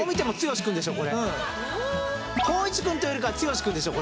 光一君というよりかは剛君でしょ？